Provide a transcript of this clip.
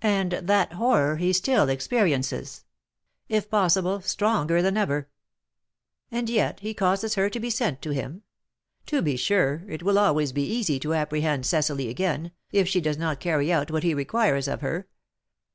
"And that horror he still experiences; if possible, stronger than ever." "And yet he causes her to be sent to him! To be sure, it will always be easy to apprehend Cecily again, if she does not carry out what he requires of her.